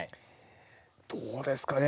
どうですかね